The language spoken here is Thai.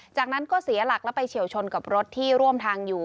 จากนั้นก็เสียหลักแล้วไปเฉียวชนกับรถที่ร่วมทางอยู่